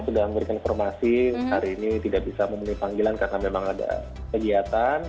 jadi yang bersangkutan yang sudah memberikan informasi hari ini tidak bisa memenuhi panggilan karena memang ada kegiatan